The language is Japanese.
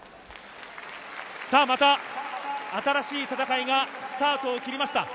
また新しい戦いがスタートを切りました。